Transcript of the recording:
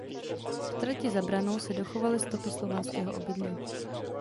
V trati Za Branou se dochovaly stopy slovanského obydlí.